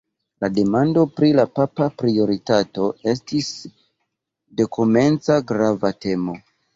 La demando pri la papa prioritato estis dekomenca grava temo.